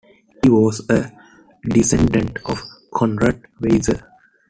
He was a descendant of Conrad Weiser.